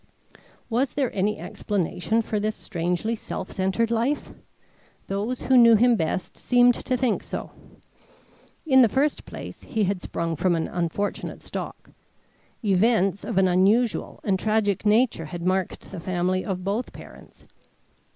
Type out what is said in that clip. Was there any explanation for this strangely self centred life? Those who knew him best seemed to think so. In the first place he had sprung from an unfortunate stock. Events of an unusual and tragic nature had marked the family of both parents.